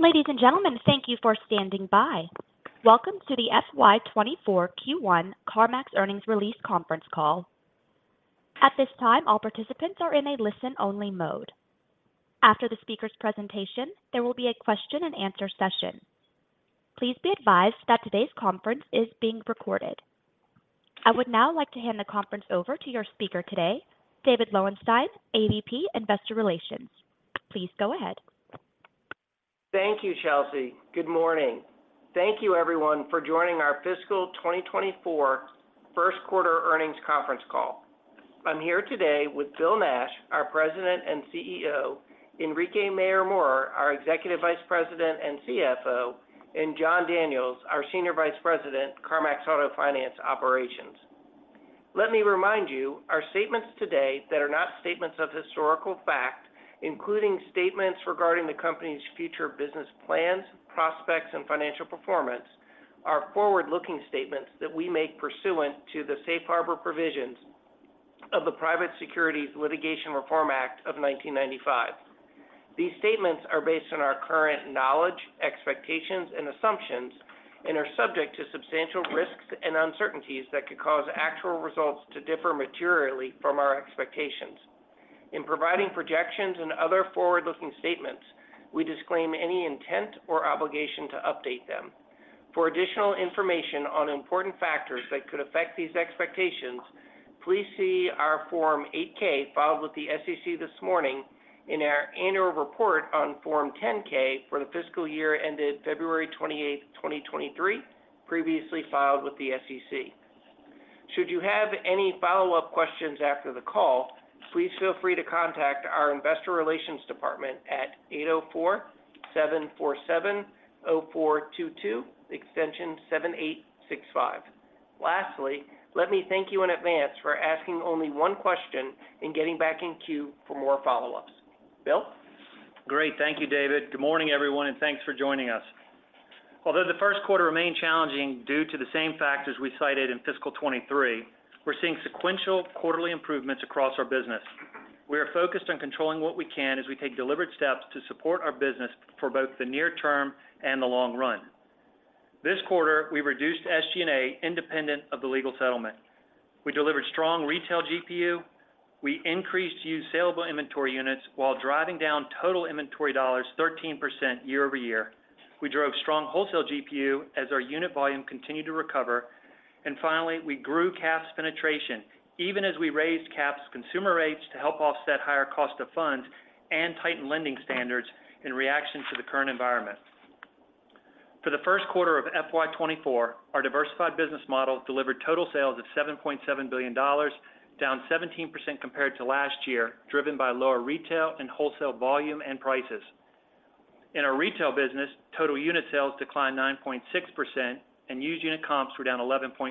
Ladies and gentlemen, thank you for standing by. Welcome to the FY 2024 Q1 CarMax earnings release conference call. At this time, all participants are in a listen-only mode. After the speaker's presentation, there will be a question-and-answer session. Please be advised that today's conference is being recorded. I would now like to hand the conference over to your speaker today, David Lowenstein, AVP, Investor Relations. Please go ahead. Thank you, Chelsea. Good morning. Thank you everyone for joining our fiscal 2024 first quarter earnings conference call. I'm here today with Bill Nash, our President and CEO, Enrique Mayor-Mora, our Executive Vice President and CFO, and Jon Daniels, our Senior Vice President, CarMax Auto Finance Operations. Let me remind you, our statements today that are not statements of historical fact, including statements regarding the company's future business plans, prospects, and financial performance, are forward-looking statements that we make pursuant to the Safe Harbor Provisions of the Private Securities Litigation Reform Act of 1995. These statements are based on our current knowledge, expectations, and assumptions and are subject to substantial risks and uncertainties that could cause actual results to differ materially from our expectations. In providing projections and other forward-looking statements, we disclaim any intent or obligation to update them. For additional information on important factors that could affect these expectations, please see our Form 8-K, filed with the SEC this morning in our annual report on Form 10-K for the fiscal year ended February 28, 2023, previously filed with the SEC. Should you have any follow-up questions after the call, please feel free to contact our investor relations department at 804-747-0422, extension 7865. Lastly, let me thank you in advance for asking only one question and getting back in queue for more follow-ups. Bill? Great. Thank you, David. Good morning, everyone, and thanks for joining us. Although the first quarter remained challenging due to the same factors we cited in FY 2023, we're seeing sequential quarterly improvements across our business. We are focused on controlling what we can as we take deliberate steps to support our business for both the near term and the long run. This quarter, we reduced SG&A independent of the legal settlement. We delivered strong retail GPU. We increased used saleable inventory units while driving down total inventory dollars 13% year-over-year. We drove strong wholesale GPU as our unit volume continued to recover. We grew CAF penetration even as we raised CAF consumer rates to help offset higher cost of funds and tighten lending standards in reaction to the current environment. For the first quarter of FY 2024, our diversified business model delivered total sales of $7.7 billion, down 17% compared to last year, driven by lower retail and wholesale volume and prices. In our retail business, total unit sales declined 9.6%, and used unit comps were down 11.4%,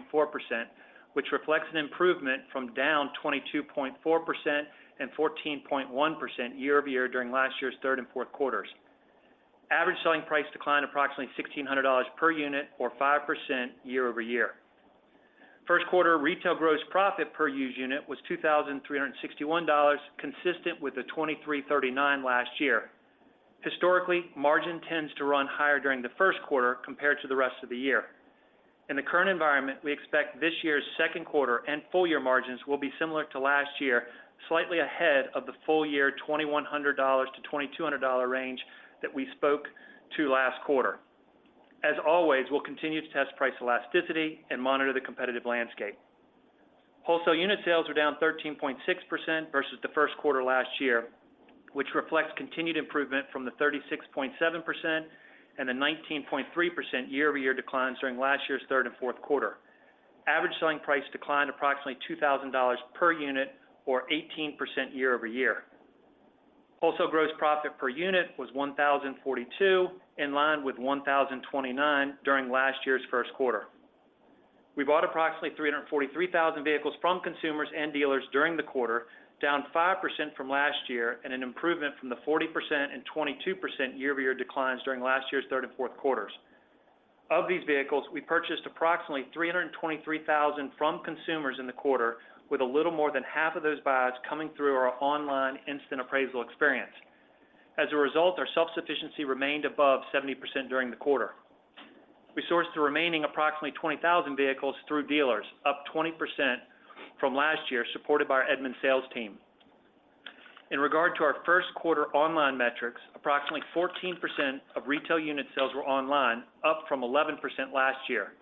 which reflects an improvement from down 22.4% and 14.1% year-over-year during last year's third and fourth quarters. Average selling price declined approximately $1,600 per unit or 5% year-over-year. First quarter retail gross profit per used unit was $2,361, consistent with the $2,339 last year. Historically, margin tends to run higher during the first quarter compared to the rest of the year. In the current environment, we expect this year's second quarter and full year margins will be similar to last year, slightly ahead of the full year $2,100-$2,200 range that we spoke to last quarter. As always, we'll continue to test price elasticity and monitor the competitive landscape. Wholesale unit sales were down 13.6% versus the first quarter last year, which reflects continued improvement from the 36.7% and the 19.3% year-over-year declines during last year's third and fourth quarter. Average selling price declined approximately $2,000 per unit or 18% year-over-year. Wholesale gross profit per unit was $1,042, in line with $1,029 during last year's first quarter. We bought approximately 343,000 vehicles from consumers and dealers during the quarter, down 5% from last year, an improvement from the 40% and 22% year-over-year declines during last year's third and fourth quarters. Of these vehicles, we purchased approximately 323,000 from consumers in the quarter, with a little more than half of those buys coming through our online instant appraisal experience. As a result, our self-sufficiency remained above 70% during the quarter. We sourced the remaining approximately 20,000 vehicles through dealers, up 20% from last year, supported by our Edmunds sales team. In regard to our first quarter online metrics, approximately 14% of retail unit sales were online, up from 11% last year.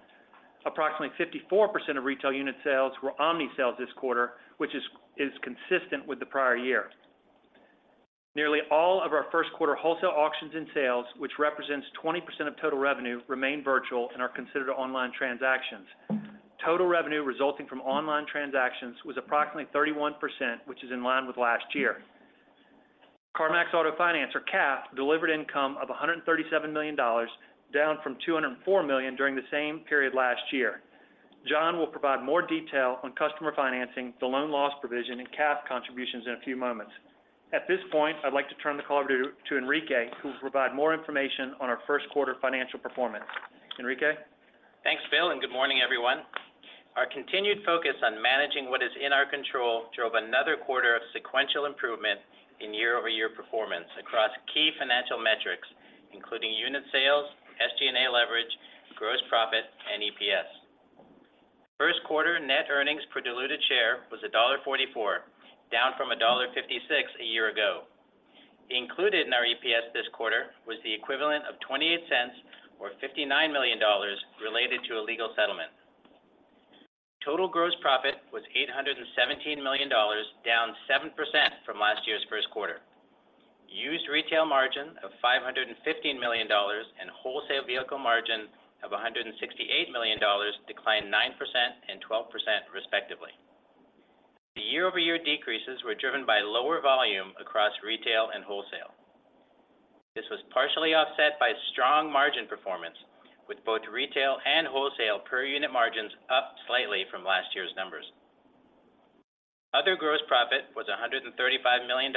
Approximately 54% of retail unit sales were omni-sales this quarter, which is consistent with the prior year. Nearly all of our first quarter wholesale auctions and sales, which represents 20% of total revenue, remain virtual and are considered online transactions. Total revenue resulting from online transactions was approximately 31%, which is in line with last year. CarMax Auto Finance, or CAF, delivered income of $137 million, down from $204 million during the same period last year. John will provide more detail on customer financing, the loan loss provision, and CAF contributions in a few moments. At this point, I'd like to turn the call over to Enrique, who will provide more information on our first quarter financial performance. Enrique? Thanks, Bill, and good morning, everyone. Our continued focus on managing what is in our control drove another quarter of sequential improvement in year-over-year performance across key financial metrics, including unit sales, SG&A leverage, gross profit, and EPS. First quarter net earnings per diluted share was $1.44, down from $1.56 a year ago. Included in our EPS this quarter was the equivalent of $0.28 or $59 million related to a legal settlement. Total gross profit was $817 million, down 7% from last year's first quarter. Used retail margin of $515 million and wholesale vehicle margin of $168 million declined 9% and 12%, respectively. The year-over-year decreases were driven by lower volume across retail and wholesale. This was partially offset by strong margin performance, with both retail and wholesale per unit margins up slightly from last year's numbers. Other gross profit was $135 million,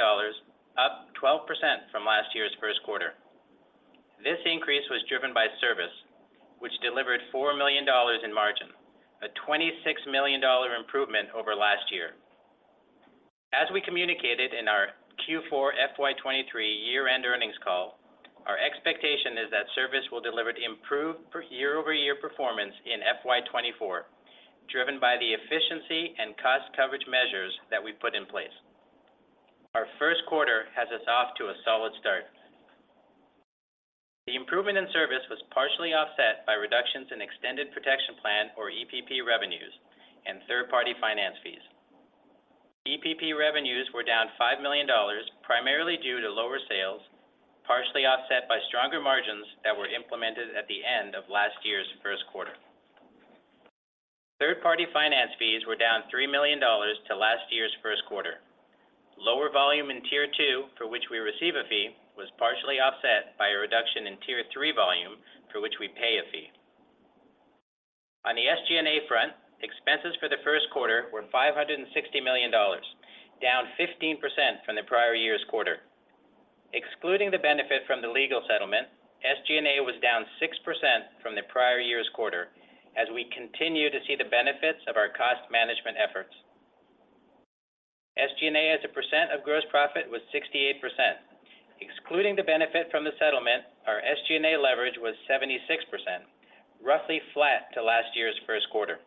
up 12% from last year's first quarter. This increase was driven by service, which delivered $4 million in margin, a $26 million improvement over last year. As we communicated in our Q4 FY 2023 year-end earnings call, our expectation is that service will deliver improved per year-over-year performance in FY 2024, driven by the efficiency and cost coverage measures that we put in place. Our first quarter has us off to a solid start. The improvement in service was partially offset by reductions in extended protection plan, or EPP revenues, and third-party finance fees. EPP revenues were down $5 million, primarily due to lower sales, partially offset by stronger margins that were implemented at the end of last year's first quarter. Third-party finance fees were down $3 million to last year's first quarter. Lower volume in Tier 2, for which we receive a fee, was partially offset by a reduction in Tier 3 volume, for which we pay a fee. On the SG&A front, expenses for the first quarter were $560 million, down 15% from the prior year's quarter. Excluding the benefit from the legal settlement, SG&A was down 6% from the prior year's quarter as we continue to see the benefits of our cost management efforts. SG&A, as a percent of gross profit, was 68%. Excluding the benefit from the settlement, our SG&A leverage was 76%, roughly flat to last year's first quarter.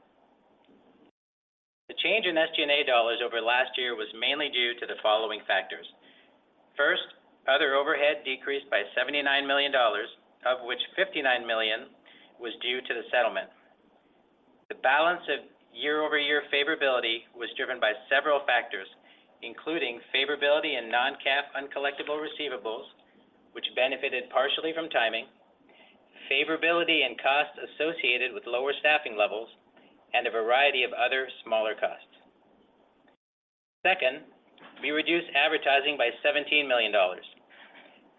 The change in SG&A dollars over last year was mainly due to the following factors. First, other overhead decreased by $79 million, of which $59 million was due to the settlement. The balance of year-over-year favorability was driven by several factors, including favorability in non-CAF uncollectible receivables, which benefited partially from timing, favorability and costs associated with lower staffing levels, and a variety of other smaller costs. Second, we reduced advertising by $17 million.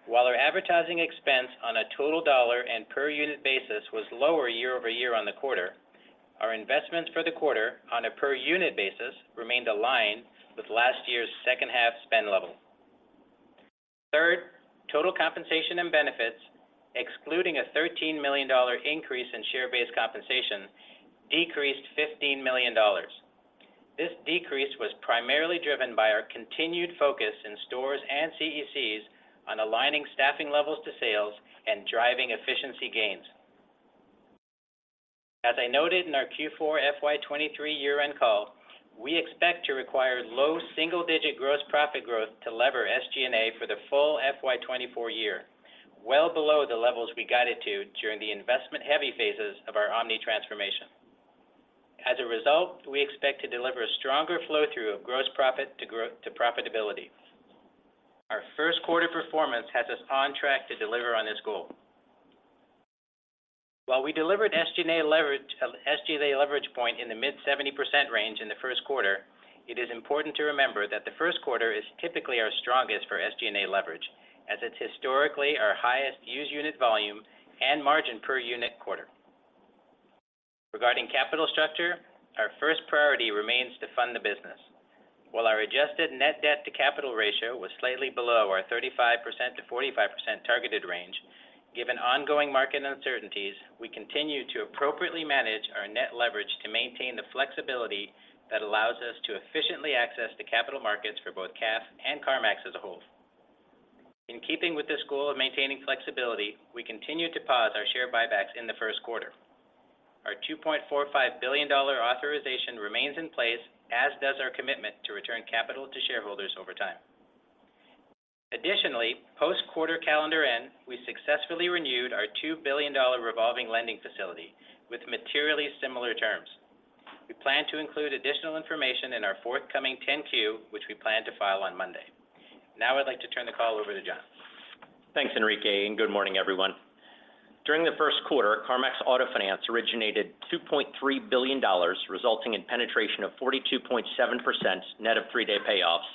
While our advertising expense on a total dollar and per unit basis was lower year-over-year on the quarter, our investments for the quarter on a per unit basis remained aligned with last year's second half spend level. Third, total compensation and benefits, excluding a $13 million increase in share-based compensation, decreased $15 million. This decrease was primarily driven by our continued focus in stores and CECs on aligning staffing levels to sales and driving efficiency gains. As I noted in our Q4 FY 2023 year-end call, we expect to require low single-digit gross profit growth to lever SG&A for the full FY 2024 year, well below the levels we guided to during the investment-heavy phases of our omni transformation. As a result, we expect to deliver a stronger flow-through of gross profit to profitability. Our first quarter performance has us on track to deliver on this goal. While we delivered SG&A leverage point in the mid 70% range in the first quarter, it is important to remember that the first quarter is typically our strongest for SG&A leverage, as it's historically our highest used unit volume and margin per unit quarter. Regarding capital structure, our first priority remains to fund the business. While our adjusted net debt to capital ratio was slightly below our 35%-45% targeted range, given ongoing market uncertainties, we continue to appropriately manage our net leverage to maintain the flexibility that allows us to efficiently access the capital markets for both CAF and CarMax as a whole. In keeping with this goal of maintaining flexibility, we continued to pause our share buybacks in the first quarter. Our $2.45 billion authorization remains in place, as does our commitment to return capital to shareholders over time. Post-quarter calendar end, we successfully renewed our $2 billion revolving lending facility with materially similar terms. We plan to include additional information in our forthcoming Form 10-Q, which we plan to file on Monday. I'd like to turn the call over to Jon. Thanks, Enrique. Good morning, everyone. During the first quarter, CarMax Auto Finance originated $2.3 billion, resulting in penetration of 42.7% net of three-day payoffs,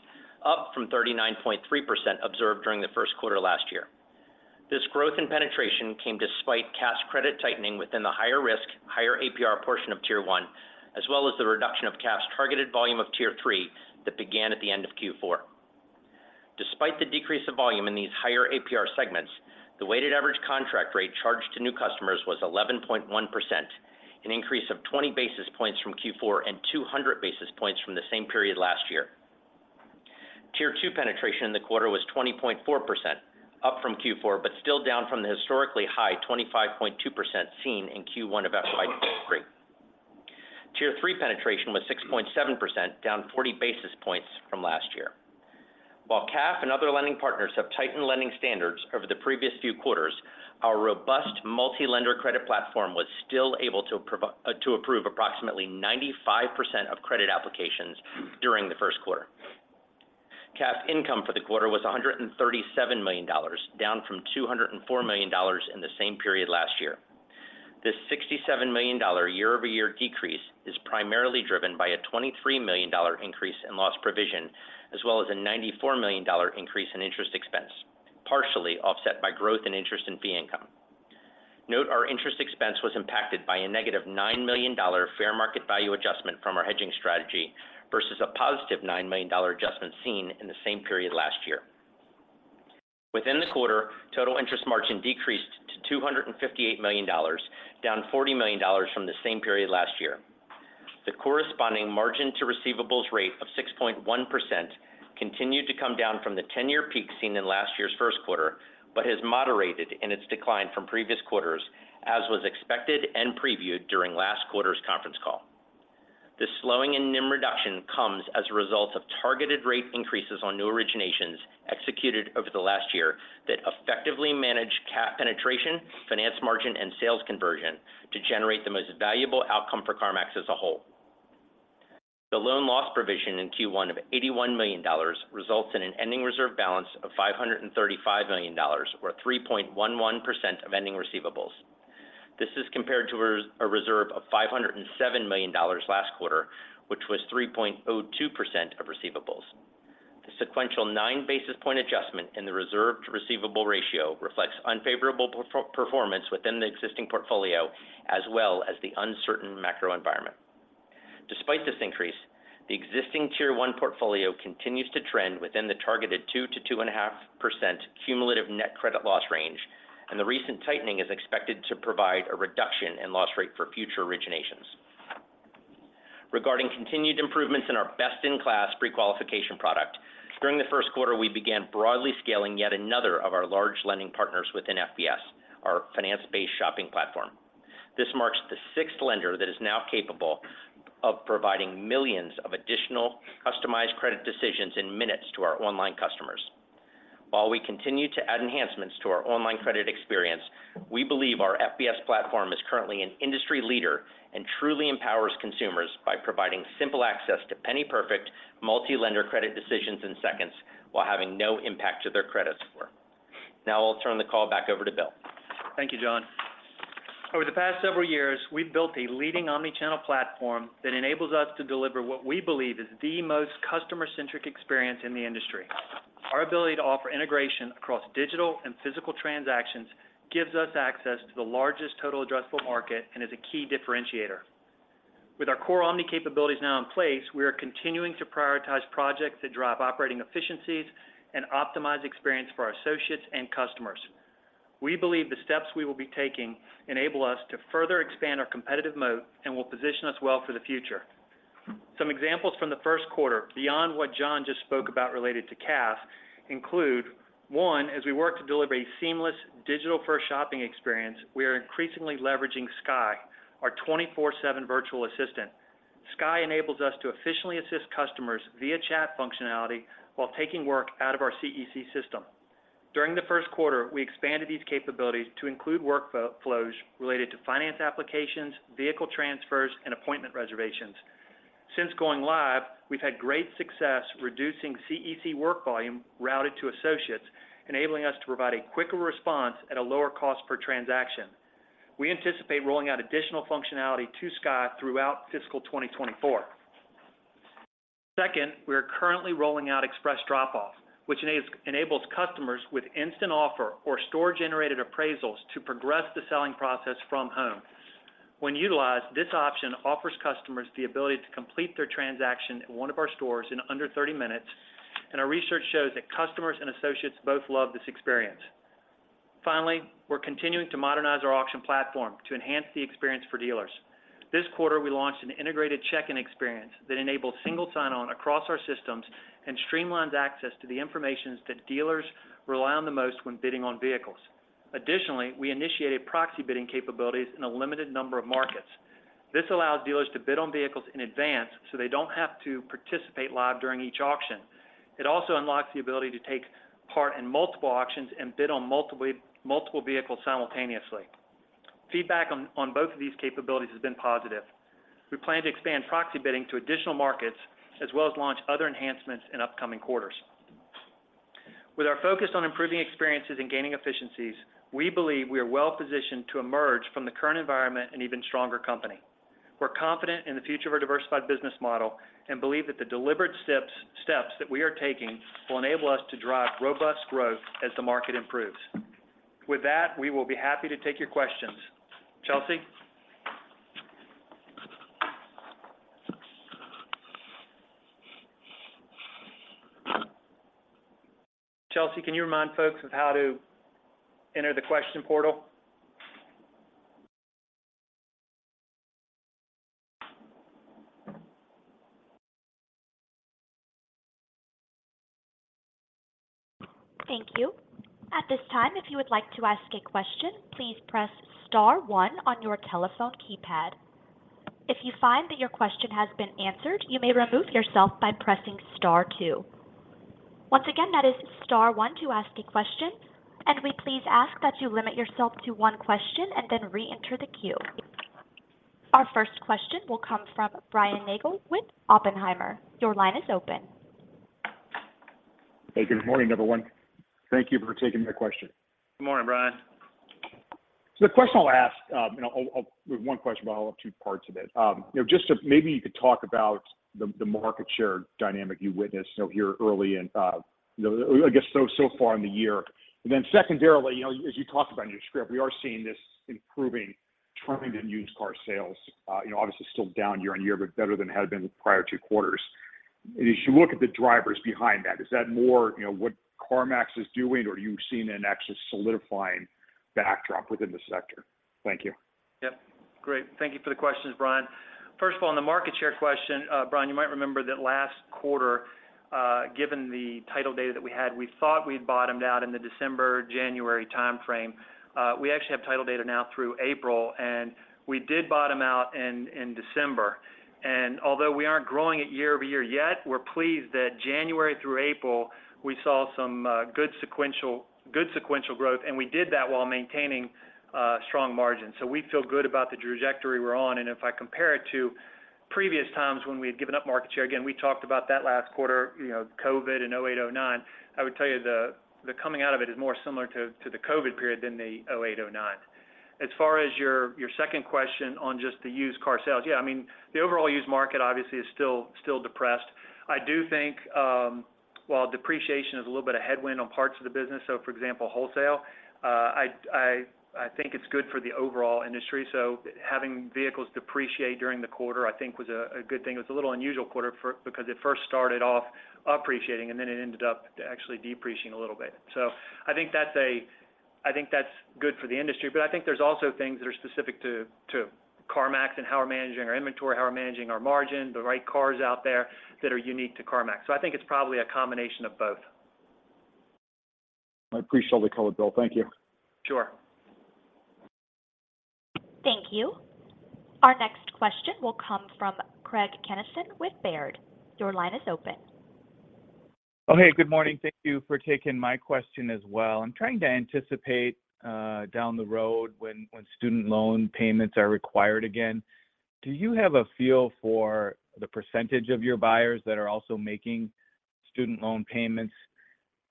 up from 39.3% observed during the first quarter last year. This growth in penetration came despite cash credit tightening within the higher risk, higher APR portion of Tier 1, as well as the reduction of CAF's targeted volume of Tier 3 that began at the end of Q4. The decrease of volume in these higher APR segments, the weighted average contract rate charged to new customers was 11.1%, an increase of 20 basis points from Q4 and 200 basis points from the same period last year. Tier 2 penetration in the quarter was 20.4%, up from Q4, but still down from the historically high 25.2% seen in Q1 of FY 2023. Tier 3 penetration was 6.7%, down 40 basis points from last year. While CAF and other lending partners have tightened lending standards over the previous few quarters, our robust multi-lender credit platform was still able to approve approximately 95% of credit applications during the first quarter. CAF income for the quarter was $137 million, down from $204 million in the same period last year. This $67 million year-over-year decrease is primarily driven by a $23 million increase in loss provision, as well as a $94 million increase in interest expense, partially offset by growth in interest and fee income. Note, our interest expense was impacted by a -$9 million fair market value adjustment from our hedging strategy versus a +$9 million adjustment seen in the same period last year. Within the quarter, total interest margin decreased to $258 million, down $40 million from the same period last year. The corresponding margin to receivables rate of 6.1% continued to come down from the 10-year peak seen in last year's first quarter, has moderated in its decline from previous quarters, as was expected and previewed during last quarter's conference call. This slowing in NIM reduction comes as a result of targeted rate increases on new originations executed over the last year that effectively manage CAF penetration, finance margin, and sales conversion to generate the most valuable outcome for CarMax as a whole. The loan loss provision in Q1 of $81 million results in an ending reserve balance of $535 million, or 3.11% of ending receivables. This is compared to a reserve of $507 million last quarter, which was 3.02% of receivables. The sequential 9 basis point adjustment in the reserve to receivable ratio reflects unfavorable performance within the existing portfolio, as well as the uncertain macro environment. Despite this increase, the existing Tier 1 portfolio continues to trend within the targeted 2% to 2.5% cumulative net credit loss range, and the recent tightening is expected to provide a reduction in loss rate for future originations. Regarding continued improvements in our best-in-class prequalification product, during the first quarter, we began broadly scaling yet another of our large lending partners within FBS, our finance-based shopping platform. This marks the sixth lender that is now capable of providing millions of additional customized credit decisions in minutes to our online customers. While we continue to add enhancements to our online credit experience, we believe our FBS platform is currently an industry leader and truly empowers consumers by providing simple access to penny perfect multi-lender credit decisions in seconds, while having no impact to their credit score. I'll turn the call back over to Bill. Thank you, John. Over the past several years, we've built a leading omni-channel platform that enables us to deliver what we believe is the most customer-centric experience in the industry. Our ability to offer integration across digital and physical transactions gives us access to the largest total addressable market and is a key differentiator. With our core omni capabilities now in place, we are continuing to prioritize projects that drive operating efficiencies and optimize experience for our associates and customers. We believe the steps we will be taking enable us to further expand our competitive moat and will position us well for the future. Some examples from the first quarter, beyond what John just spoke about related to CAF, include, one, as we work to deliver a seamless digital-first shopping experience, we are increasingly leveraging Skye, our 24/7 virtual assistant. Skye enables us to efficiently assist customers via chat functionality while taking work out of our CEC system. During the first quarter, we expanded these capabilities to include workflow flows related to finance applications, vehicle transfers, and appointment reservations. Since going live, we've had great success reducing CEC work volume routed to associates, enabling us to provide a quicker response at a lower cost per transaction. We anticipate rolling out additional functionality to Skye throughout fiscal 2024. Second, we are currently rolling out express drop-off, which enables customers with Instant Offer or store-generated appraisals to progress the selling process from home. When utilized, this option offers customers the ability to complete their transaction at one of our stores in under 30 minutes, and our research shows that customers and associates both love this experience. Finally, we're continuing to modernize our auction platform to enhance the experience for dealers. This quarter, we launched an integrated check-in experience that enables single sign-on across our systems and streamlines access to the information that dealers rely on the most when bidding on vehicles. Additionally, we initiated proxy bidding capabilities in a limited number of markets. This allows dealers to bid on vehicles in advance, so they don't have to participate live during each auction. It also unlocks the ability to take part in multiple auctions and bid on multiple vehicles simultaneously. Feedback on both of these capabilities has been positive. We plan to expand proxy bidding to additional markets, as well as launch other enhancements in upcoming quarters. With our focus on improving experiences and gaining efficiencies, we believe we are well positioned to emerge from the current environment an even stronger company. We're confident in the future of our diversified business model and believe that the deliberate steps that we are taking will enable us to drive robust growth as the market improves. With that, we will be happy to take your questions. Chelsea? Chelsea, can you remind folks of how to enter the question portal? Thank you. At this time, if you would like to ask a question, please press star one on your telephone keypad. If you find that your question has been answered, you may remove yourself by pressing star two. Once again, that is star one to ask a question, and we please ask that you limit yourself to one question and then reenter the queue. Our first question will come from Brian Nagel with Oppenheimer. Your line is open. Hey, good morning, everyone. Thank you for taking my question. Good morning, Brian. The question I'll ask, you know, I'll one question, but I'll have two parts of it. You know, just to maybe you could talk about the market share dynamic you witnessed, you know, here early in, you know, I guess so far in the year. Secondarily, you know, as you talked about in your script, we are seeing this improving trend in used car sales, you know, obviously still down year-on-year, but better than had been the prior two quarters. As you look at the drivers behind that, is that more, you know, what CarMax is doing, or are you seeing an actual solidifying backdrop within the sector? Thank you. Yep. Great. Thank you for the questions, Brian. First of all, on the market share question, Brian, you might remember that last quarter, given the title data that we had, we thought we'd bottomed out in the December-January time frame. We actually have title data now through April, and we did bottom out in December. Although we aren't growing it year-over-year yet, we're pleased that January through April, we saw some good sequential growth, and we did that while maintaining strong margins. We feel good about the trajectory we're on, and if I compare it to previous times when we had given up market share, again, we talked about that last quarter, you know, COVID and 2008, 2009, I would tell you the coming out of it is more similar to the COVID period than the 2008, 2009. As far as your second question on just the used car sales. Yeah, I mean, the overall used market obviously is still depressed. I do think while depreciation is a little bit of headwind on parts of the business, for example, wholesale, I think it's good for the overall industry. Having vehicles depreciate during the quarter, I think was a good thing. It was a little unusual quarter because it first started off appreciating, and then it ended up actually depreciating a little bit. I think that's good for the industry, but I think there's also things that are specific to CarMax and how we're managing our inventory, how we're managing our margin, the right cars out there that are unique to CarMax. I think it's probably a combination of both. I appreciate all the color, Bill. Thank you. Sure. Thank you. Our next question will come from Craig Kennison with Baird. Your line is open. Oh, hey, good morning. Thank you for taking my question as well. I'm trying to anticipate down the road when student loan payments are required again. Do you have a feel for the percentage of your buyers that are also making student loan payments,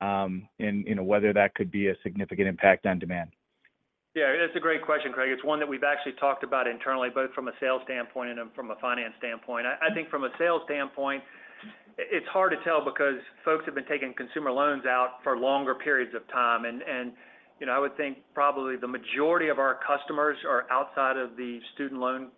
and, you know, whether that could be a significant impact on demand? Yeah, it's a great question, Craig. It's one that we've actually talked about internally, both from a sales standpoint and from a finance standpoint. I think from a sales standpoint, it's hard to tell because folks have been taking consumer loans out for longer periods of time. you know, I would think probably the majority of our customers are outside of the student loan,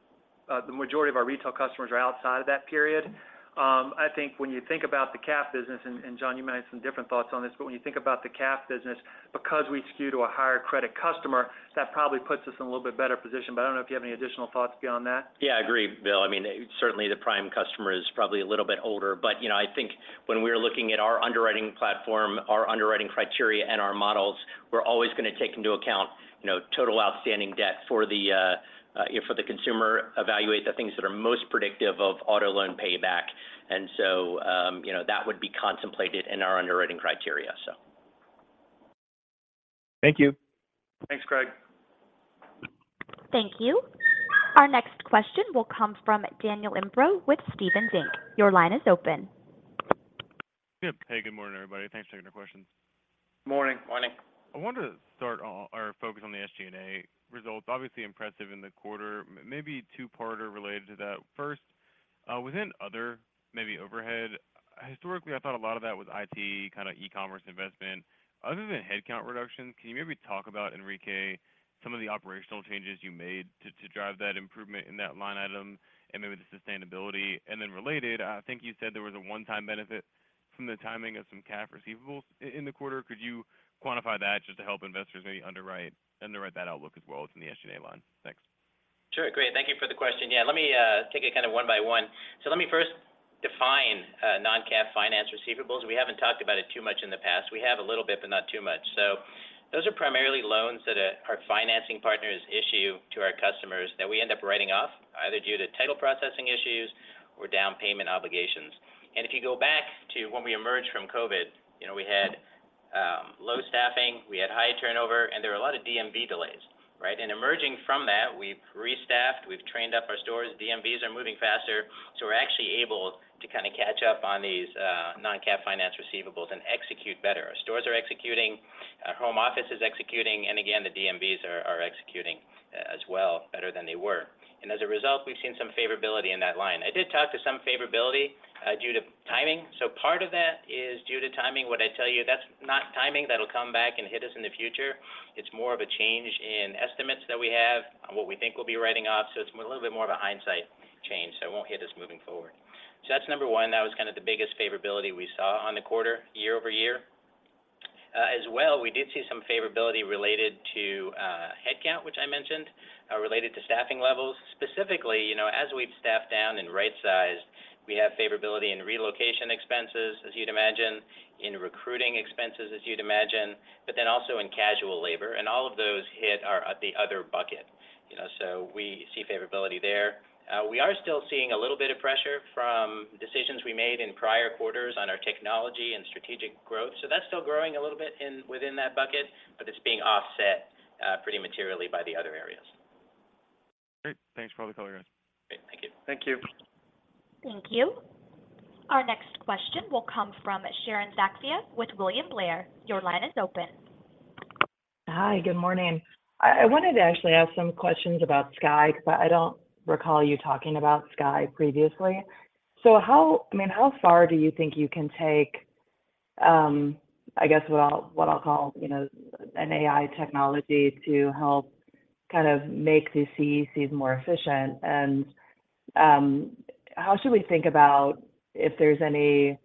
the majority of our retail customers are outside of that period. I think when you think about the CAF business, and John, you may have some different thoughts on this, but when you think about the CAF business, because we skew to a higher credit customer, that probably puts us in a little bit better position. I don't know if you have any additional thoughts beyond that. Yeah, I agree, Bill. I mean, certainly the prime customer is probably a little bit older. You know, I think when we're looking at our underwriting platform, our underwriting criteria and our models, we're always going to take into account, you know, total outstanding debt for the, you know, for the consumer, evaluate the things that are most predictive of auto loan payback. You know, that would be contemplated in our underwriting criteria, so. Thank you. Thanks, Craig. Thank you. Our next question will come from Daniel Imbro with Stephens. Your line is open. Yep. Hey, good morning, everybody. Thanks for taking the questions. Morning. Morning. I wanted to start on or focus on the SG&A results, obviously impressive in the quarter, maybe two-parter related to that. First, within other, maybe overhead, historically, I thought a lot of that was IT, kind of e-commerce investment. Other than headcount reductions, can you maybe talk about, Enrique, some of the operational changes you made to drive that improvement in that line item and maybe the sustainability? Then related, I think you said there was a one-time benefit from the timing of some CAF receivables in the quarter. Could you quantify that just to help investors maybe underwrite that outlook as well as in the SG&A line? Thanks. Sure. Great. Thank you for the question. Let me take it kind of one by one. Let me first define non-CAF finance receivables. We haven't talked about it too much in the past. We have a little bit, but not too much. Those are primarily loans that our financing partners issue to our customers that we end up writing off, either due to title processing issues or down payment obligations. If you go back to when we emerged from COVID, you know, we had low staffing, we had high turnover, and there were a lot of DMV delays, right? Emerging from that, we've restaffed, we've trained up our stores, DMVs are moving faster, we're actually able to kind of catch up on these non-CAF finance receivables and execute better. Our stores are executing, our home office is executing, again, the DMVs are executing as well, better than they were. As a result, we've seen some favorability in that line. I did talk to some favorability due to timing. Part of that is due to timing. What I tell you, that's not timing that'll come back and hit us in the future, it's more of a change in estimates that we have on what we think we'll be writing off. It's a little bit more of a hindsight change, so it won't hit us moving forward. That's number one. That was kind of the biggest favorability we saw on the quarter, year-over-year. As well, we did see some favorability related to headcount, which I mentioned, related to staffing levels. Specifically, you know, as we've staffed down and right-sized, we have favorability in relocation expenses, as you'd imagine, in recruiting expenses, as you'd imagine, but then also in casual labor, and all of those hit our, the other bucket. You know, we see favorability there. We are still seeing a little bit of pressure from decisions we made in prior quarters on our technology and strategic growth, so that's still growing a little bit in, within that bucket, but it's being offset pretty materially by the other areas. Great. Thanks for all the color, guys. Great. Thank you. Thank you. Thank you. Our next question will come from Sharon Zackfia, with William Blair. Your line is open. Hi, good morning. I wanted to actually ask some questions about Skye, 'cause I don't recall you talking about Skye previously. I mean, how far do you think you can take, I guess, what I'll call, you know, an AI technology to help kind of make the CECs more efficient? How should we think about if there's any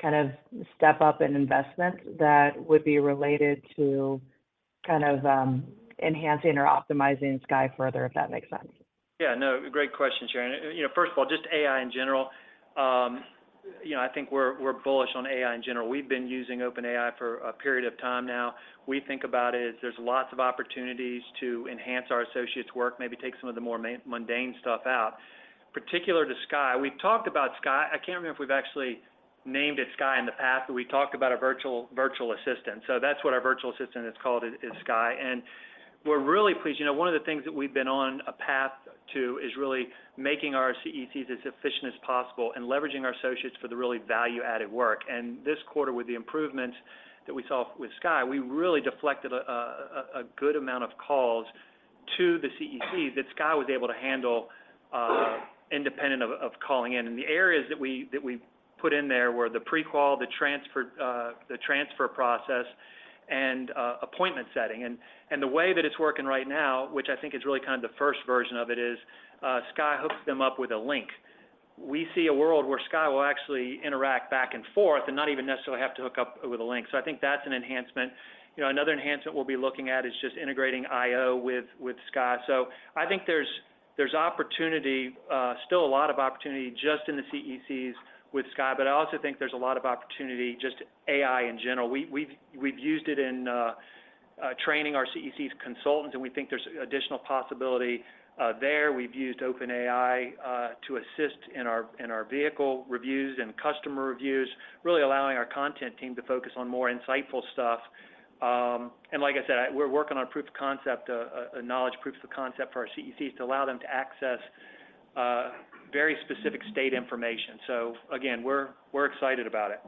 kind of step up in investment that would be related to kind of enhancing or optimizing Skye further, if that makes sense? Yeah, no, great question, Sharon. You know, first of all, just AI in general, you know, I think we're bullish on AI in general. We've been using OpenAI for a period of time now. We think about it as there's lots of opportunities to enhance our associates' work, maybe take some of the more mundane stuff out. Particular to Skye, we've talked about Skye. I can't remember if we've actually named it Skye in the past, but we've talked about a virtual assistant, so that's what our virtual assistant is called, is Skye. We're really pleased. You know, one of the things that we've been on a path to, is really making our CECs as efficient as possible and leveraging our associates for the really value-added work. This quarter, with the improvements that we saw with Skye, we really deflected a good amount of calls to the CECs that Skye was able to handle, independent of calling in. The areas that we put in there were the pre-qual, the transfer, the transfer process, and appointment setting. The way that it's working right now, which I think is really kind of the first version of it, is Skye hooks them up with a link. We see a world where Skye will actually interact back and forth, and not even necessarily have to hook up with a link. I think that's an enhancement. You know, another enhancement we'll be looking at is just integrating IO with Skye. I think there's opportunity, still a lot of opportunity just in the CECs with Skye, but I also think there's a lot of opportunity, just AI in general. We've used it in training our CECs consultants, and we think there's additional possibility there. We've used OpenAI to assist in our vehicle reviews and customer reviews, really allowing our content team to focus on more insightful stuff. Like I said, we're working on proof of concept, a knowledge proof of concept for our CECs, to allow them to access very specific state information. Again, we're excited about it.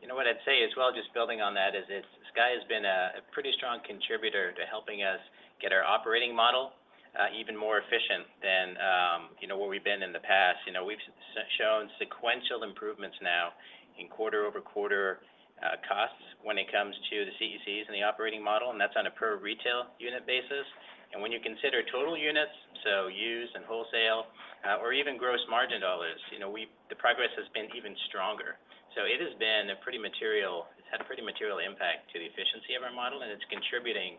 You know what I'd say as well, just building on that, is that Skye has been a pretty strong contributor to helping us get our operating model even more efficient than, you know, where we've been in the past. You know, we've shown sequential improvements now in quarter-over-quarter costs when it comes to the CECs and the operating model, and that's on a per retail unit basis. When you consider total units, so used and wholesale, or even gross margin dollars, you know, the progress has been even stronger. It has been a pretty material impact to the efficiency of our model, and it's contributing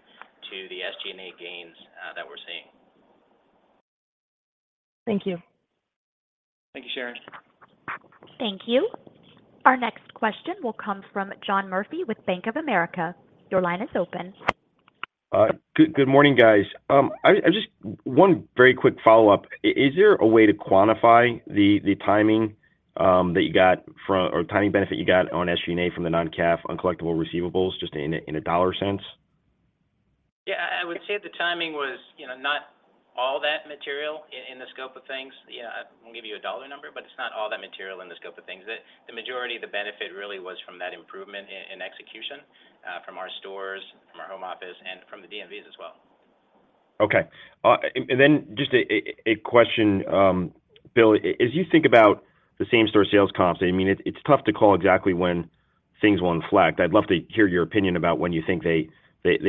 to the SG&A gains that we're seeing. Thank you. Thank you, Sharon. Thank you. Our next question will come from John Murphy with Bank of America. Your line is open. Good morning, guys. I just. One very quick follow-up. Is there a way to quantify the timing that you got from, or timing benefit you got on SG&A from the non-CAF uncollectible receivables, just in a dollar sense? I would say the timing was, you know, not all that material in the scope of things. I won't give you a dollar number. It's not all that material in the scope of things. The majority of the benefit really was from that improvement in execution, from our stores, from our home office, and from the DMVs as well. Okay. Then just a question, Bill, as you think about the same-store sales comps, I mean, it's tough to call exactly when things will inflect. I'd love to hear your opinion about when you think they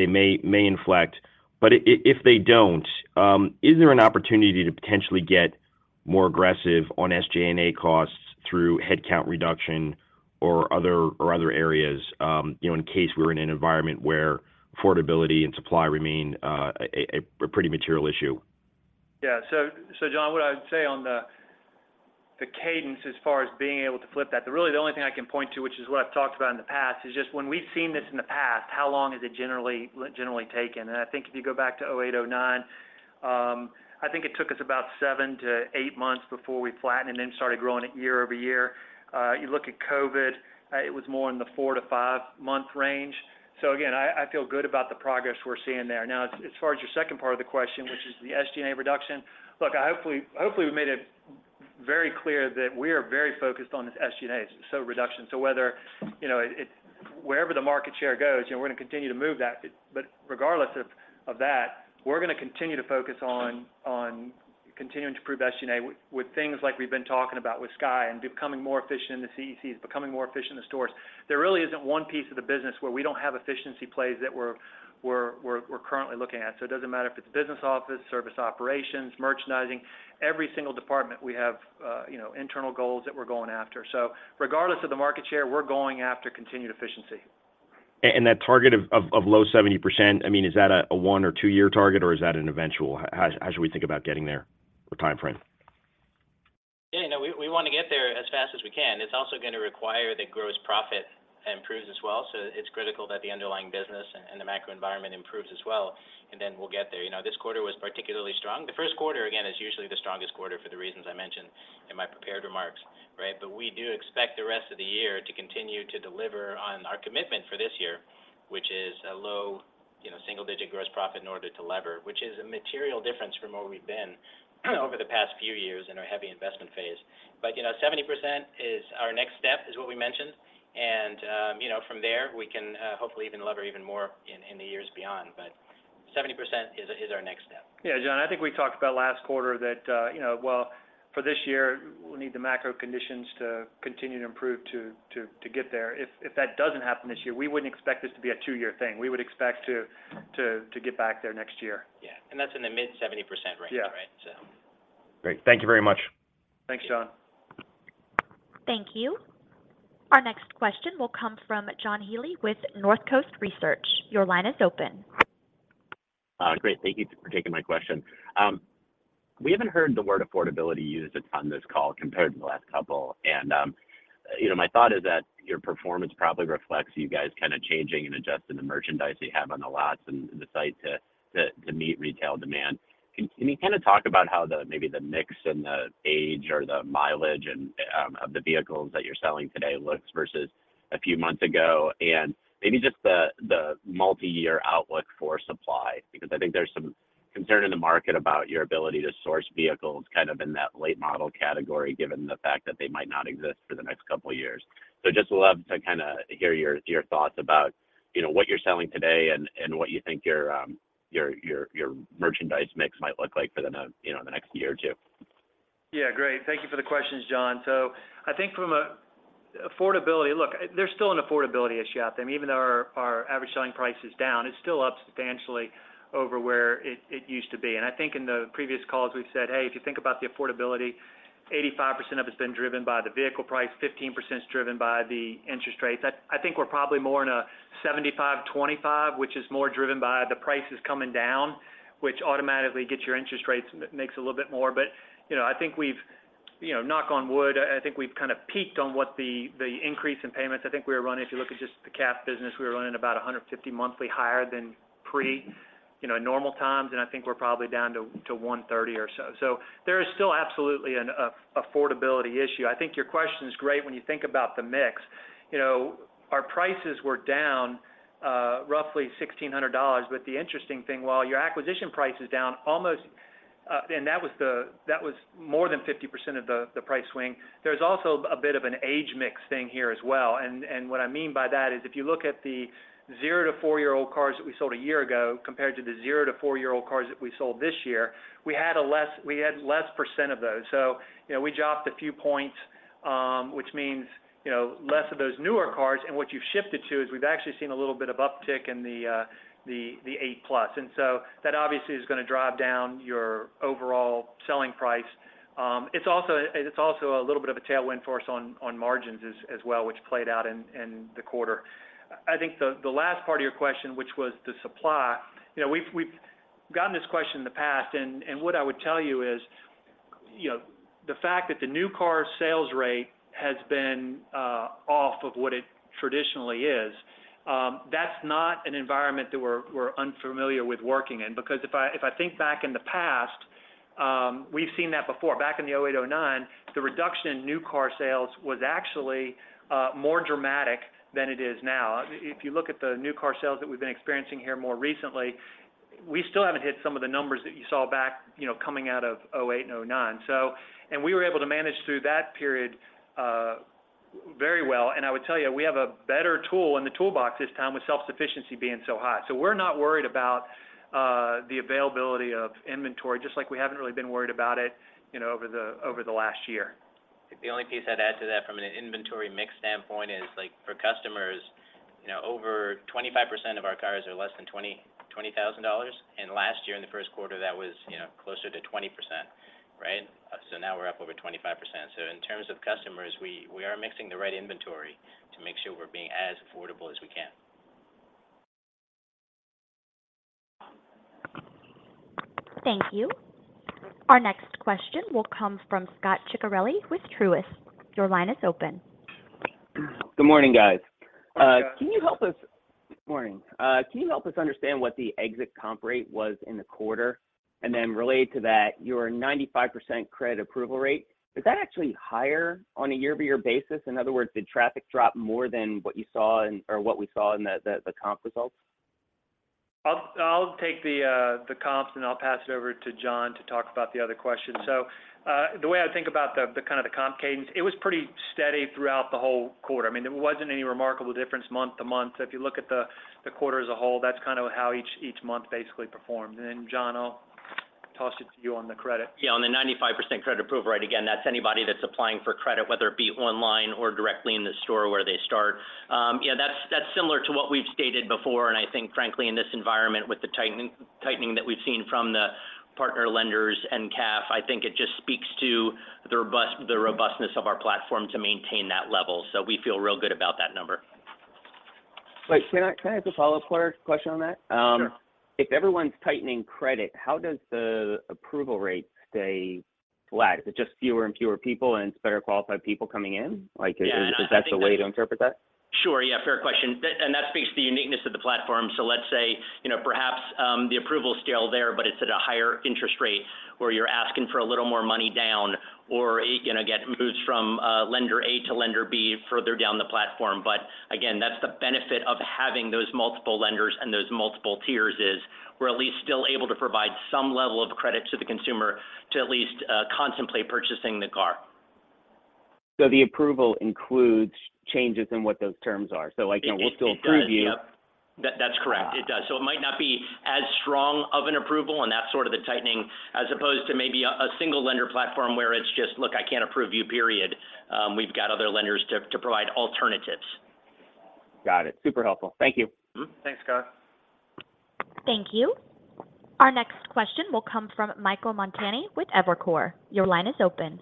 may inflect. If they don't, is there an opportunity to potentially get more aggressive on SG&A costs through headcount reduction or other areas, you know, in case we're in an environment where affordability and supply remain a pretty material issue? John, what I would say on the cadence as far as being able to flip that, really the only thing I can point to, which is what I've talked about in the past, is just when we've seen this in the past, how long has it generally taken? I think if you go back to 2008, 2009, I think it took us about seven to eight months before we flattened and then started growing it year-over-year. You look at COVID, it was more in the four to five-month range. Again, I feel good about the progress we're seeing there. Now, as far as your second part of the question, which is the SG&A reduction, look, I hopefully, we made it very clear that we are very focused on this SG&A reduction. Whether, you know, wherever the market share goes, you know, we're going to continue to move that. Regardless of that, we're going to continue to focus on continuing to improve SG&A with things like we've been talking about with Skye and becoming more efficient in the CECs, becoming more efficient in the stores. There really isn't one piece of the business where we don't have efficiency plays that we're currently looking at. It doesn't matter if it's business office, service operations, merchandising, every single department, we have, you know, internal goals that we're going after. Regardless of the market share, we're going after continued efficiency. That target of low 70%, I mean, is that a one or two-year target, or is that an eventual? How should we think about getting there, or timeframe? Yeah, no, we want to get there as fast as we can. It's also going to require that gross profit improves as well. It's critical that the underlying business and the macro environment improves as well, and then we'll get there. You know, this quarter was particularly strong. The first quarter, again, is usually the strongest quarter for the reasons I mentioned in my prepared remarks, right? We do expect the rest of the year to continue to deliver on our commitment for this year, which is a low, you know, single-digit gross profit in order to lever. Which is a material difference from where we've been over the past few years in our heavy investment phase. You know, 70% is our next step, is what we mentioned, and, you know, from there, we can, hopefully even lever even more in the years beyond. 70% is our next step. Yeah, John, I think we talked about last quarter that, you know, well, for this year, we'll need the macro conditions to continue to improve to get there. If that doesn't happen this year, we wouldn't expect this to be a two-year thing. We would expect to get back there next year. Yeah. That's in the mid 70% range. Yeah right? Great. Thank you very much. Thanks, John. Thank you. Our next question will come from John Healy with Northcoast Research. Your line is open. Great. Thank you for taking my question. We haven't heard the word affordability used a ton this call compared to the last couple. You know, my thought is that your performance probably reflects you guys kind of changing and adjusting the merchandise you have on the lots and the site to meet retail demand. Can you kind of talk about how the, maybe the mix and the age or the mileage and of the vehicles that you're selling today looks versus a few months ago? Maybe just the multiyear outlook for supply, because I think there's some concern in the market about your ability to source vehicles, kind of in that late model category, given the fact that they might not exist for the next couple of years. Just love to kind of hear your thoughts about, you know, what you're selling today and what you think your merchandise mix might look like for the, you know, the next year or two. Yeah, great. Thank you for the questions, John. I think from a affordability, Look, there's still an affordability issue out there. Even though our average selling price is down, it's still up substantially over where it used to be. I think in the previous calls, we've said, Hey, if you think about the affordability, 85% of it has been driven by the vehicle price, 15% is driven by the interest rates. I think we're probably more in a 75%, 25%, which is more driven by the prices coming down, which automatically gets your interest rates, makes a little bit more. You know, I think we've, you know, knock on wood, I think we've kind of peaked on what the increase in payments. I think we were running, if you look at just the CAF business, we were running about 150 monthly higher than pre, you know, normal times, and I think we're probably down to 130 or so. There is still absolutely an affordability issue. I think your question is great when you think about the mix. You know, our prices were down, roughly $1,600, but the interesting thing, while your acquisition price is down, almost. That was more than 50% of the price swing. There's also a bit of an age mix thing here as well. What I mean by that is, if you look at the 0-4-year-old cars that we sold a year ago, compared to the 0-4-year-old cars that we sold this year, we had less percent of those. You know, we dropped a few points, which means, you know, less of those newer cars. What you've shifted to is we've actually seen a little bit of uptick in the 8+. That obviously is going to drive down your overall selling price. It's also, it's also a little bit of a tailwind for us on margins as well, which played out in the quarter. I think the last part of your question, which was the supply, you know, we've gotten this question in the past, what I would tell you is, you know, the fact that the new car sales rate has been off of what it traditionally is, that's not an environment that we're unfamiliar with working in. If I think back in the past, we've seen that before. Back in the 2008, 2009, the reduction in new car sales was actually more dramatic than it is now. If you look at the new car sales that we've been experiencing here more recently, we still haven't hit some of the numbers that you saw back, you know, coming out of 2008 and 2009. We were able to manage through that period very well. I would tell you, we have a better tool in the toolbox this time with self-sufficiency being so hot. We're not worried about the availability of inventory, just like we haven't really been worried about it, you know, over the, over the last year. The only piece I'd add to that from an inventory mix standpoint is, like, for customers, you know, over 25% of our cars are less than 20%, $20,000, and last year in the first quarter, that was, you know, closer to 20%, right? Now we're up over 25%. In terms of customers, we are mixing the right inventory to make sure we're being as affordable as we can. Thank you. Our next question will come from Scot Ciccarelli with Truist. Your line is open. Good morning, guys. Hi, Scot. Good morning. Can you help us understand what the exit comp rate was in the quarter? Related to that, your 95% credit approval rate, is that actually higher on a year-over-year basis? In other words, did traffic drop more than what you saw in, or what we saw in the comp results? I'll take the comps, and I'll pass it over to John to talk about the other question. The way I think about the kind of the comp cadence, it was pretty steady throughout the whole quarter. I mean, there wasn't any remarkable difference month to month. If you look at the quarter as a whole, that's kind of how each month basically performed. John, I'll toss it to you on the credit. On the 95% credit approval rate, again, that's anybody that's applying for credit, whether it be online or directly in the store where they start. That's similar to what we've stated before, and I think frankly, in this environment, with the tightening that we've seen from the partner lenders and CAF, I think it just speaks to the robustness of our platform to maintain that level. We feel real good about that number. Wait, can I have a follow-up question on that? Sure. If everyone's tightening credit, how does the approval rate stay flat? Is it just fewer and fewer people, and it's better qualified people coming in? Like. Yeah, I think. is that the way to interpret that? Sure, yeah, fair question. That speaks to the uniqueness of the platform. Let's say, you know, perhaps, the approval is still there, but it's at a higher interest rate, or you're asking for a little more money down, or it, you know, again, moves from lender A to lender B further down the platform. Again, that's the benefit of having those multiple lenders and those multiple tiers, is we're at least still able to provide some level of credit to the consumer to at least contemplate purchasing the car. The approval includes changes in what those terms are. It, it does. We'll still approve you. Yep. That's correct. Ah. It does. It might not be as strong of an approval, and that's sort of the tightening, as opposed to maybe a single lender platform where it's just, "Look, I can't approve you, period." We've got other lenders to provide alternatives. Got it. Super helpful. Thank you. Thanks, Scot. Thank you. Our next question will come from Michael Montani with Evercore. Your line is open.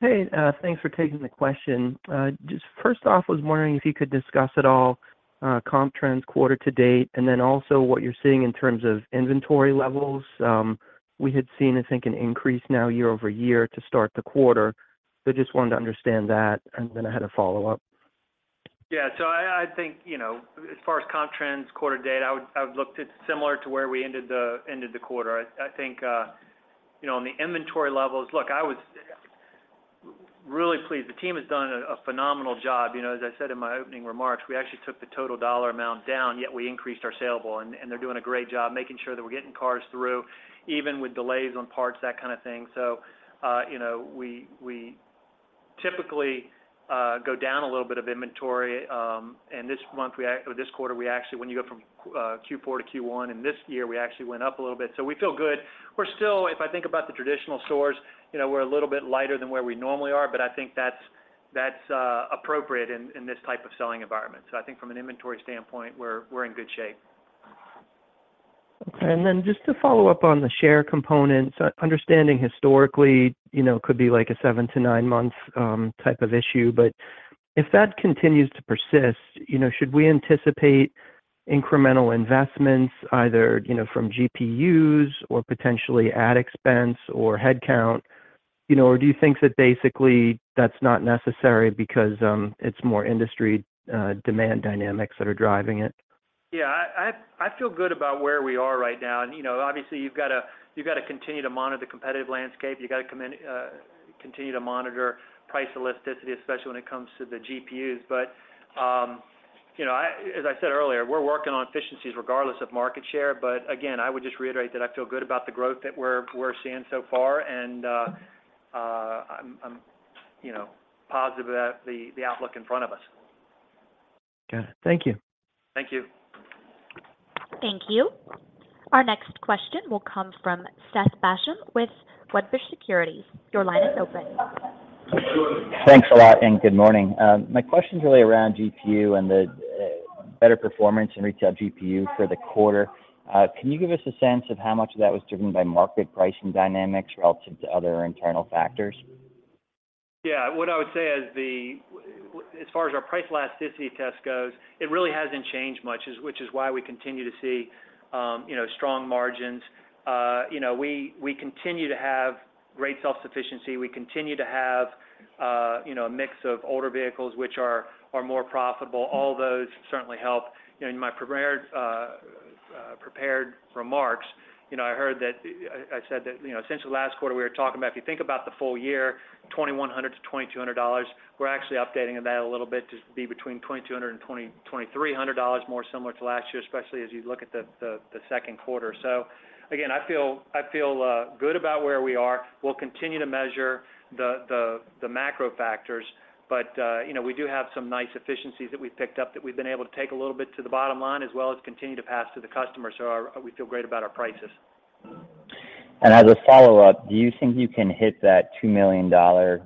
Hey, thanks for taking the question. Just first off, I was wondering if you could discuss at all, comp trends quarter to date. Also what you're seeing in terms of inventory levels. We had seen, I think, an increase now year-over-year to start the quarter. Just wanted to understand that. I had a follow-up. I think, you know, as far as comp trends, quarter date, I would look at similar to where we ended the quarter. I think, you know, on the inventory levels. Look, I was really pleased. The team has done a phenomenal job. You know, as I said in my opening remarks, we actually took the total dollar amount down, yet we increased our saleable. They're doing a great job making sure that we're getting cars through, even with delays on parts, that kind of thing. You know, we typically go down a little bit of inventory, and this month or this quarter, we actually, when you go from Q4 to Q1, and this year, we actually went up a little bit. We feel good. We're still, if I think about the traditional stores, you know, we're a little bit lighter than where we normally are. I think that's appropriate in this type of selling environment. I think from an inventory standpoint, we're in good shape. Okay. Then just to follow up on the share components, understanding historically, you know, could be like a seven to nine month type of issue. If that continues to persist, you know, should we anticipate incremental investments either, you know, from GPUs or potentially ad expense or headcount? Do you think that basically that's not necessary because it's more industry demand dynamics that are driving it? Yeah, I feel good about where we are right now. You know, obviously, you've got to continue to monitor the competitive landscape. You've got to continue to monitor price elasticity, especially when it comes to the GPUs. You know, as I said earlier, we're working on efficiencies regardless of market share. Again, I would just reiterate that I feel good about the growth that we're seeing so far, and, you know, positive about the outlook in front of us. Got it. Thank you. Thank you. Thank you. Our next question will come from Seth Basham with Wedbush Securities. Your line is open. Thanks a lot, and good morning. My question is really around GPU and the better performance in retail GPU for the quarter. Can you give us a sense of how much of that was driven by market pricing dynamics relative to other internal factors? Yeah. What I would say is as far as our price elasticity test goes, it really hasn't changed much, is which is why we continue to see, you know, strong margins. You know, we continue to have great self-sufficiency. We continue to have, you know, a mix of older vehicles, which are more profitable. All those certainly help. You know, in my prepared remarks, you know, I heard that I said that, you know, since the last quarter, we were talking about if you think about the full year, $2,100-$2,200, we're actually updating that a little bit to be between $2,200 and $2,300, more similar to last year, especially as you look at the second quarter. Again, I feel good about where we are. We'll continue to measure the macro factors, you know, we do have some nice efficiencies that we've picked up, that we've been able to take a little bit to the bottom line, as well as continue to pass to the customer. We feel great about our prices. As a follow-up, do you think you can hit that $2 million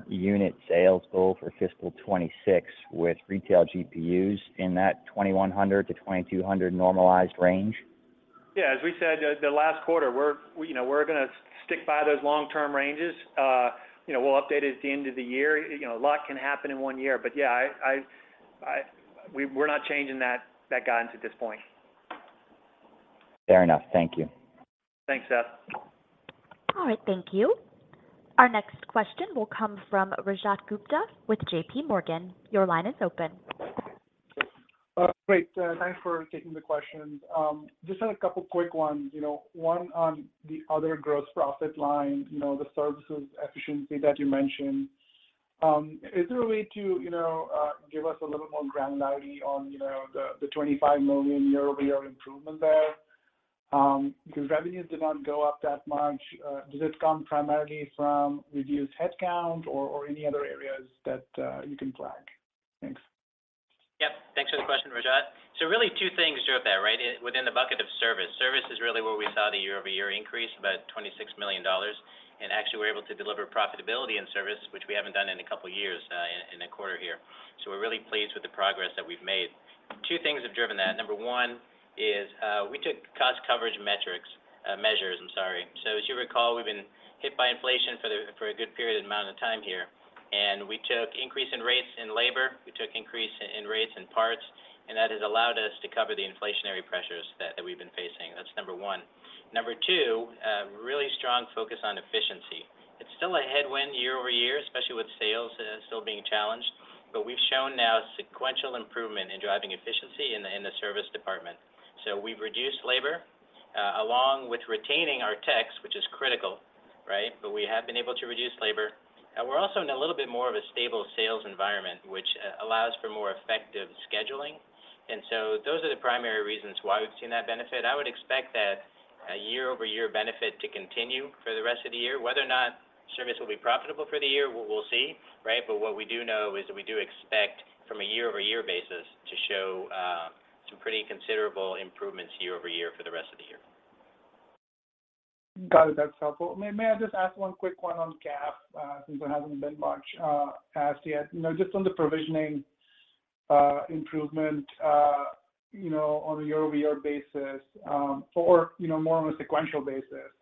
unit sales goal for fiscal 2026 with retail GPUs in that $2,100-$2,200 normalized range? Yeah, as we said, the last quarter, we, you know, we're going to stick by those long-term ranges. You know, we'll update at the end of the year. You know, a lot can happen in one year, but yeah, I, we're not changing that guidance at this point. Fair enough. Thank you. Thanks, Seth. All right, thank you. Our next question will come from Rajat Gupta with JPMorgan. Your line is open. Great. Thanks for taking the question. Just have a couple quick ones. You know, one on the other gross profit line, you know, the services efficiency that you mentioned.is there a way to, you know, give us a little more granularity on, you know, the $25 million year-over-year improvement there? Because revenues did not go up that much. Does it come primarily from reduced headcount or any other areas that you can flag? Thanks. Yep, thanks for the question, Rajat. Really two things drove that, right? Within the bucket of service. Service is really where we saw the year-over-year increase, about $26 million. Actually, we're able to deliver profitability in service, which we haven't done in a couple of years, in a quarter here. We're really pleased with the progress that we've made. Two things have driven that. Number one is, we took cost coverage metrics, measures, I'm sorry. As you recall, we've been hit by inflation for a good period amount of time here, we took increase in rates in labor, we took increase in rates in parts, that has allowed us to cover the inflationary pressures that we've been facing. That's number one. Number two, a really strong focus on efficiency. It's still a headwind year-over-year, especially with sales still being challenged. We've shown now sequential improvement in driving efficiency in the service department. We've reduced labor along with retaining our techs, which is critical, right? We have been able to reduce labor. We're also in a little bit more of a stable sales environment, which allows for more effective scheduling. Those are the primary reasons why we've seen that benefit. I would expect that a year-over-year benefit to continue for the rest of the year. Whether or not service will be profitable for the year, we'll see, right? What we do know is that we do expect from a year-over-year basis to show some pretty considerable improvements year-over-year for the rest of the year. Got it. That's helpful. May I just ask one quick one on CAF? Since there hasn't been much asked yet. You know, just on the provisioning improvement, you know, on a year-over-year basis, or, you know, more on a sequential basis.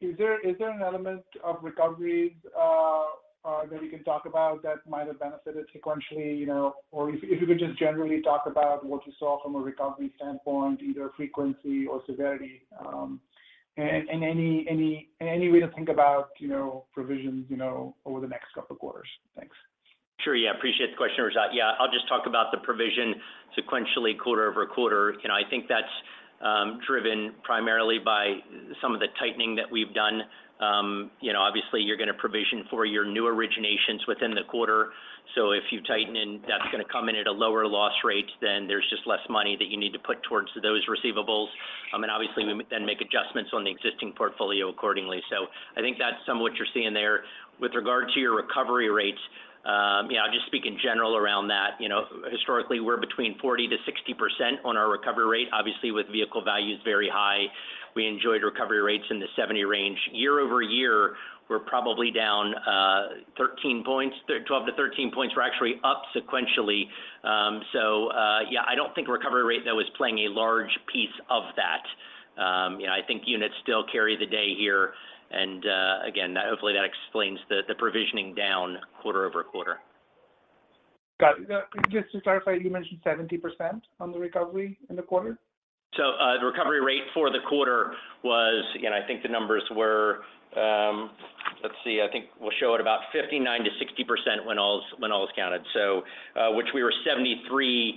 Is there an element of recoveries that you can talk about that might have benefited sequentially, you know, or if you could just generally talk about what you saw from a recovery standpoint, either frequency or severity, and any way to think about, you know, provisions, you know, over the next couple of quarters? Thanks. Sure. Appreciate the question, Rajat. I'll just talk about the provision sequentially, quarter-over-quarter. You know, I think that's driven primarily by some of the tightening that we've done. You know, obviously, you're going to provision for your new originations within the quarter. If you tighten and that's going to come in at a lower loss rate, then there's just less money that you need to put towards those receivables. Obviously, we then make adjustments on the existing portfolio accordingly. I think that's some of what you're seeing there. With regard to your recovery rates, you know, I'll just speak in general around that. You know, historically, we're between 40%-60% on our recovery rate. Obviously, with vehicle values very high, we enjoyed recovery rates in the 70% range. Year-over-year, we're probably down 13 points. 12 to 13 points, we're actually up sequentially. Yeah, I don't think recovery rate, though, is playing a large piece of that. You know, I think units still carry the day here, and again, hopefully, that explains the provisioning down quarter-over-quarter. Got it. Just to clarify, you mentioned 70% on the recovery in the quarter? The recovery rate for the quarter was. Again, I think the numbers were, let's see, I think we'll show at about 59%-60% when all is counted. We were 73%-74%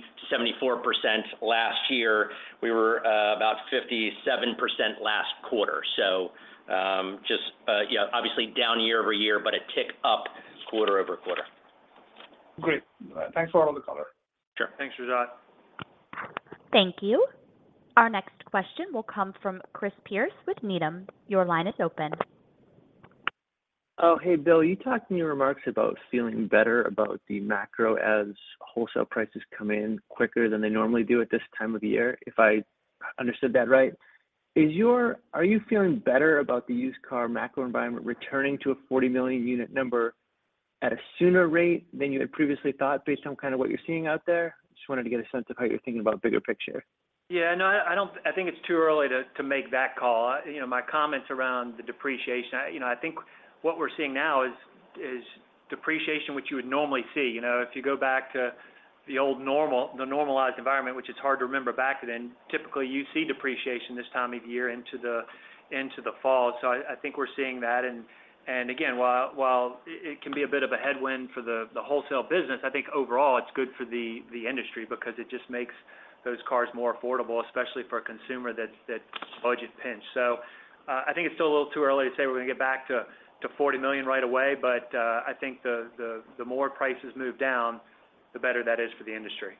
last year. We were about 57% last quarter. just, yeah, obviously down year-over-year, but a tick up quarter-over-quarter. Great. Thanks for all the color. Sure. Thanks, Rajat. Thank you. Our next question will come from Chris Pierce with Needham. Your line is open. Oh, hey, Bill, you talked in your remarks about feeling better about the macro as wholesale prices come in quicker than they normally do at this time of the year, if I understood that right. Are you feeling better about the used car macro environment returning to a 40 million unit number at a sooner rate than you had previously thought, based on kind of what you're seeing out there? Just wanted to get a sense of how you're thinking about bigger picture. Yeah, no, I think it's too early to make that call. You know, my comments around the depreciation. You know, I think what we're seeing now is depreciation, which you would normally see. You know, if you go back to the old normal, the normalized environment, which it's hard to remember back then, typically, you see depreciation this time of year into the fall. I think we're seeing that. Again, while it can be a bit of a headwind for the wholesale business, I think overall it's good for the industry because it just makes those cars more affordable, especially for a consumer that's budget pinched. I think it's still a little too early to say we're going to get back to 40 million right away, but I think the more prices move down, the better that is for the industry.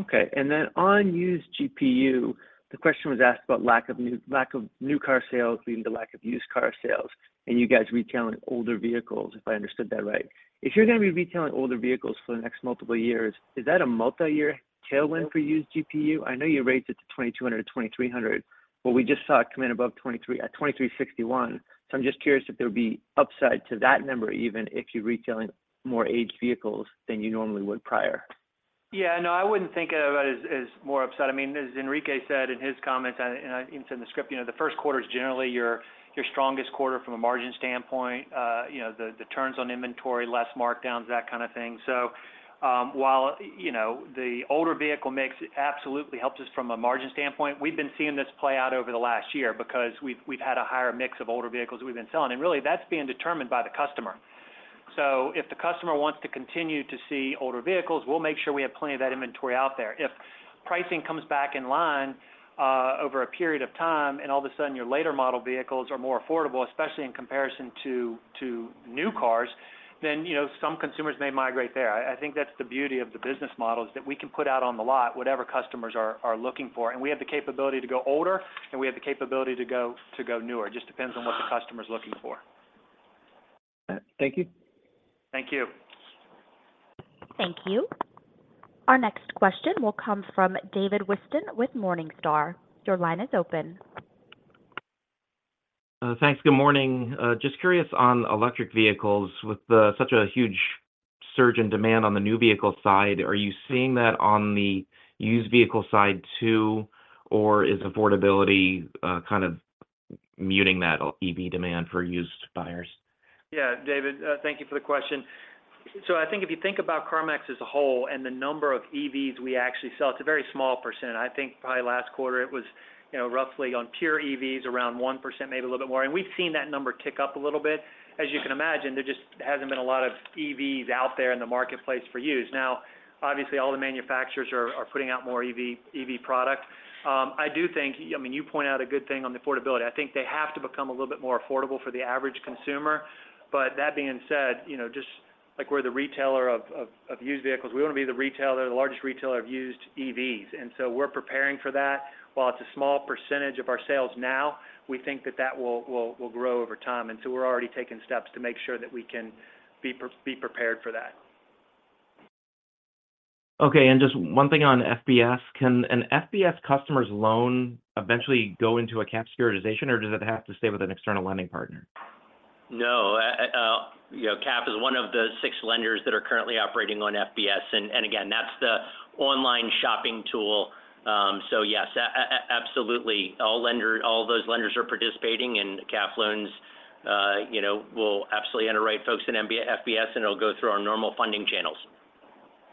Okay. Then on used GPU, the question was asked about lack of new, lack of new car sales, leading to lack of used car sales, and you guys retailing older vehicles, if I understood that right. If you're going to be retailing older vehicles for the next multiple years, is that a multi-year tailwind for used GPU? I know you raised it to $2,200, $2,300, but we just saw it come in above $23, at $2,361. I'm just curious if there would be upside to that number, even if you're retailing more aged vehicles than you normally would prior. Yeah. No, I wouldn't think of it as more upside. I mean, as Enrique said in his comments, and it's in the script, you know, the first quarter is generally your strongest quarter from a margin standpoint. You know, the turns on inventory, less markdowns, that kind of thing. While, you know, the older vehicle mix absolutely helps us from a margin standpoint, we've been seeing this play out over the last year because we've had a higher mix of older vehicles we've been selling, and really, that's being determined by the customer. If the customer wants to continue to see older vehicles, we'll make sure we have plenty of that inventory out there. If pricing comes back in line, over a period of time, and all of a sudden your later model vehicles are more affordable, especially in comparison to new cars, then, you know, some consumers may migrate there. I think that's the beauty of the business model, is that we can put out on the lot whatever customers are looking for, and we have the capability to go older, and we have the capability to go, to go newer. Just depends on what the customer is looking for. Thank you. Thank you. Thank you. Our next question will come from David Whiston with Morningstar. Your line is open. Thanks. Good morning. Just curious on electric vehicles. With such a huge surge in demand on the new vehicle side, are you seeing that on the used vehicle side, too? Is affordability, kind of muting that EV demand for used buyers? Yeah, David, thank you for the question. I think if you think about CarMax as a whole and the number of EVs we actually sell, it's a very small percent. I think probably last quarter it was, you know, roughly on pure EVs, around 1%, maybe a little bit more. We've seen that number tick up a little bit. As you can imagine, there just hasn't been a lot of EVs out there in the marketplace for used. Obviously, all the manufacturers are putting out more EV product. I mean, you point out a good thing on the affordability. I think they have to become a little bit more affordable for the average consumer. That being said, you know, just like we're the retailer of used vehicles, we want to be the retailer, the largest retailer of used EVs. We're preparing for that. While it's a small percentage of our sales now, we think that that will grow over time. We're already taking steps to make sure that we can be prepared for that. Okay. Just one thing on FBS. Can an FBS customer's loan eventually go into a CAF securitization, or does it have to stay with an external lending partner? No. you know, CAF is one of the six lenders that are currently operating on FBS. Again, that's the online shopping tool. Yes, absolutely. All those lenders are participating in CAF loans, you know, will absolutely underwrite folks in FBS, It'll go through our normal funding channels.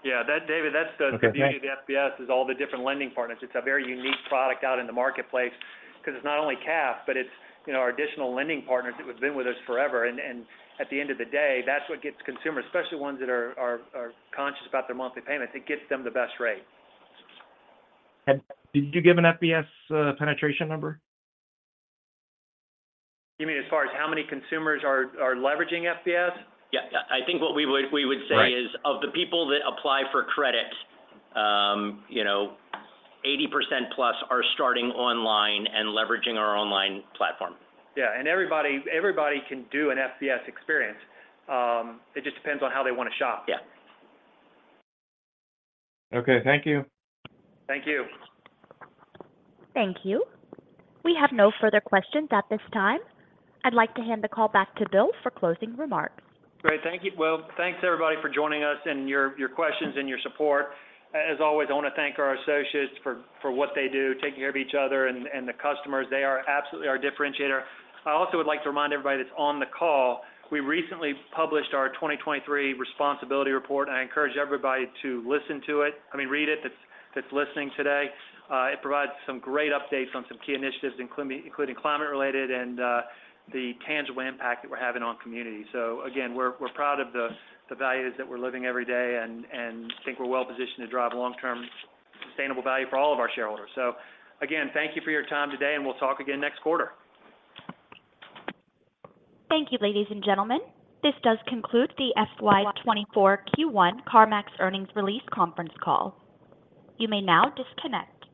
Yeah, that David. Okay. Thank you. beauty of the FBS, is all the different lending partners. It's a very unique product out in the marketplace because it's not only CAF, but it's, you know, our additional lending partners that have been with us forever. At the end of the day, that's what gets consumers, especially ones that are conscious about their monthly payments. It gets them the best rate. Did you give an FBS penetration number? You mean, as far as how many consumers are leveraging FBS? Yeah. I think what we would say. Right is, of the people that apply for credit, you know, 80%+ are starting online and leveraging our online platform. Yeah, everybody can do an FBS experience. It just depends on how they want to shop. Yeah. Okay. Thank you. Thank you. Thank you. We have no further questions at this time. I'd like to hand the call back to Bill for closing remarks. Great. Thank you. Well, thanks, everybody, for joining us and your questions and your support. As always, I want to thank our associates for what they do, taking care of each other and the customers. They are absolutely our differentiator. I also would like to remind everybody that's on the call, we recently published our 2023 responsibility report. I encourage everybody to read it, that's listening today. It provides some great updates on some key initiatives, including climate related and the tangible impact that we're having on community. Again, we're proud of the values that we're living every day and think we're well positioned to drive long-term sustainable value for all of our shareholders. Again, thank you for your time today. We'll talk again next quarter. Thank you, ladies and gentlemen. This does conclude the FY 2024 Q1 CarMax earnings release conference call. You may now disconnect.